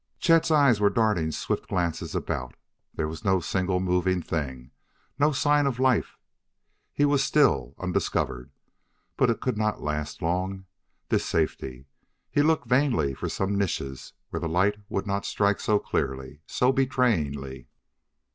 Chet's eyes were darting swift glances about. There was no single moving thing, no sign of life; he was still undiscovered. But it could not last long, this safety; he looked vainly for some niche where the light would not strike so clearly, so betrayingly.